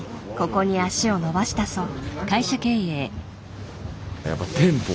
ここに足を延ばしたそう。